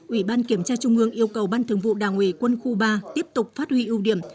ủy ban kiểm tra trung ương yêu cầu ban thường vụ đảng ủy quân khu ba tiếp tục phát huy ưu điểm